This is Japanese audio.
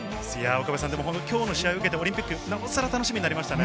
今日の試合を受けてオリンピックがなおさら楽しみになりましたね。